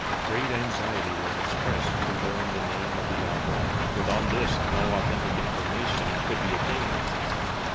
Great anxiety was expressed to learn the name of the Author, but on this no authentic information could be attained.